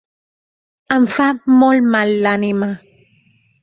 Em fa molt mal l'ànima.